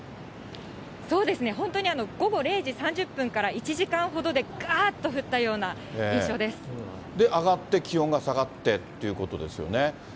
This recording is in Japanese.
そうですね、本当に午後０時３０分から１時間ほどでがーっと降ったような印象で、上がって気温が下がってってことですよね。